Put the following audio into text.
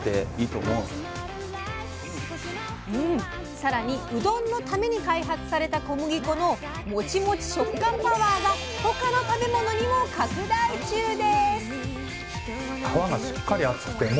更にうどんのために開発された小麦粉のモチモチ食感パワーが他の食べ物にも拡大中です！